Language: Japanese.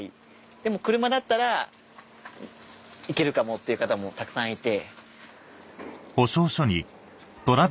でも車だったら行けるかもっていう方もたくさんいて。